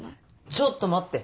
ちょっと待って！